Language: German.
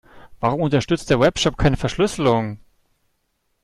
Warum unterstützt der Webshop keine Verschlüsselung?